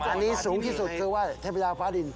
อันนี้สูงที่สุดคือว่าเทพยาฟ้าดิน